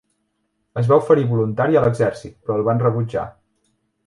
Es va oferir voluntari a l'exèrcit, però el van rebutjar.